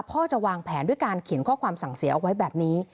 พ่อจะวางแผนด้วยการเขียนข้อความสั่งเสียเอาไว้แบบนี้